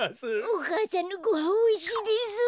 お母さんのごはんおいしいです。